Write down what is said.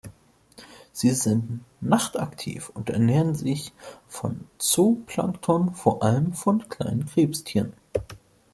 Sie sind nachtaktiv und ernähren sich von Zooplankton, vor allem von kleinen Krebstieren.